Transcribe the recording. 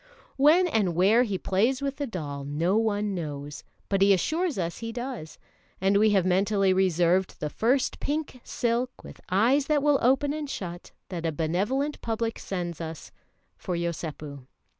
When and where he plays with the doll no one knows, but he assures us he does; and we have mentally reserved the first pink silk, with eyes that will open and shut, that a benevolent public sends to us, for Yosépu.